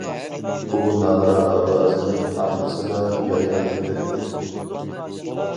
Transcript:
ئۇ ناغرا ئاۋازىنى ئاڭلىسىلا يايراپ كېتەتتى.